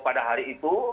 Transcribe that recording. pada hari itu